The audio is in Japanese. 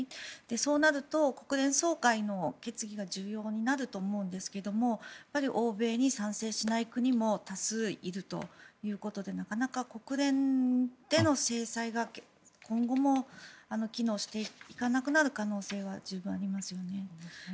そうなると、国連総会の決議が重要になると思うんですけどやっぱり欧米に賛成しない国も多数いるということでなかなか国連での制裁が、今後も機能していかなくなる可能性は十分ありますよね。